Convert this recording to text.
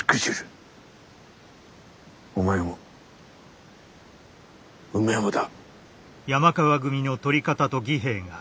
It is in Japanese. お前も梅もだ。